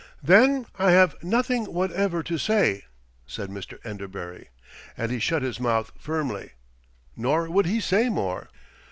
"Then I have nothing whatever to say," said Mr. Enderbury, and he shut his mouth firmly; nor would he say more.